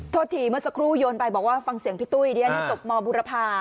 โทษทีเมื่อสักครู่โยนไปบอกว่าฟังเสียงพี่ตุ้ยเดี๋ยวอันนี้จบมบุรพา